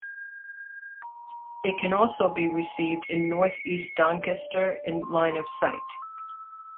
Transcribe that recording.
It can also be received in North East Doncaster in line of sight.